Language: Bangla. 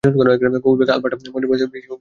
কুইবেক, আলবার্টা, ম্যানিটোবা, বিসি গত বছর।